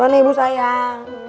pelan ya bu sayang